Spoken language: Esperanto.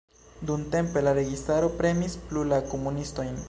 Dumtempe la registaro premis plu la komunistojn.